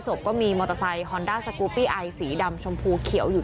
ก็มีมอเตอร์ไซค์ฮอนด้าสกูปปี้ไอสีดำชมพูเขียวอยู่